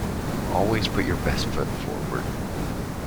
Always put your best foot forward.